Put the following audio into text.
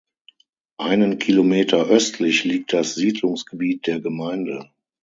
Einen Kilometer östlich liegt das Siedlungsgebiet der Gemeinde.